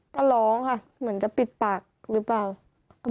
ก็ร้องค่ะเหมือนจะปิดปากหรือเปล่า